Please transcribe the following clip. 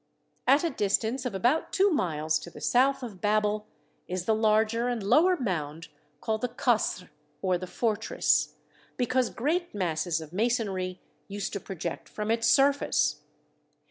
At a distance of about two miles to the south of Babel is the larger and lower mound called the Kasr, or the Fortress, because great masses of masonry used to project from its surface.